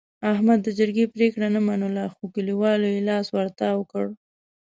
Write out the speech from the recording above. احمد د جرګې پرېګړه نه منله، خو کلیوالو یې لاس ورتاو کړ.